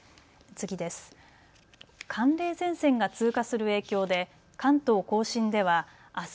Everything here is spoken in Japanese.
次です。